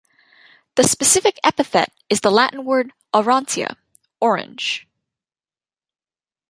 The specific epithet is the Latin word "aurantia" "orange".